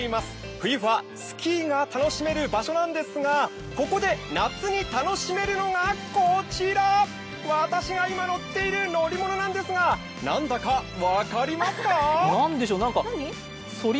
冬はスキーが楽しめる場所なんですが、ここで夏に楽しめるのがこちら、私が今乗っている乗り物なんですが何だか分かりますか？